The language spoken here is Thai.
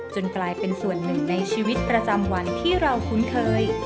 กลายเป็นส่วนหนึ่งในชีวิตประจำวันที่เราคุ้นเคย